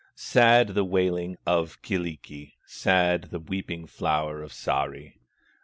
Sad the wailing of Kyllikki, Sad the weeping flower of Sahri!